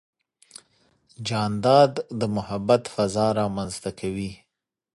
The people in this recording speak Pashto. جانداد د محبت فضا رامنځته کوي.